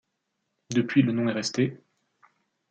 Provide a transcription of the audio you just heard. Depuis le nom est resté.